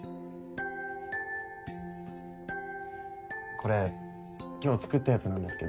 これ今日作ったやつなんですけど。